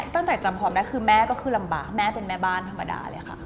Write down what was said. จำความได้คือแม่ก็คือลำบากแม่เป็นแม่บ้านธรรมดาเลยค่ะ